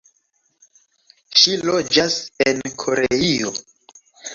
Ŝi loĝas en Koreio.